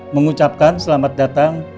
mengucapkan selamat datang